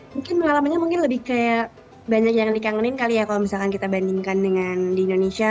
mungkin pengalamannya mungkin lebih kayak banyak yang dikangenin kali ya kalau misalkan kita bandingkan dengan di indonesia